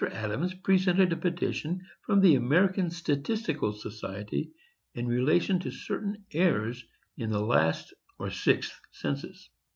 Adams presented a petition from the American Statistical Society, in relation to certain errors in the last or sixth census.